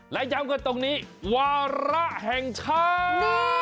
และย้ำขึ้นในนี้วาระแห่งชาว